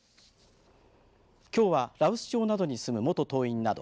きょうは羅臼町などに住む元島民など